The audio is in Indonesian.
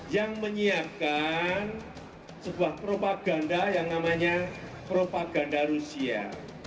yang menyiapkan sebuah propaganda yang namanya propaganda rusia